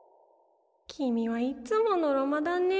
きみはいつものろまだね。